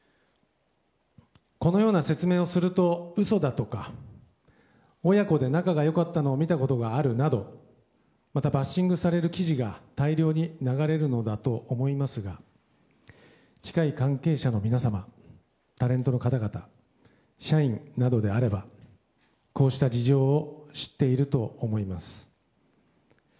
このような説明をすると嘘だとか親子で仲が良かったのを見たことがあるなどまたバッシングされる記事が大量に流れるのだと思いますが近い関係者の皆様タレントの方々社員などであればこうした事情を知っていると思います。